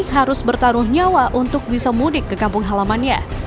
harus bertaruh nyawa untuk bisa mudik ke kampung halamannya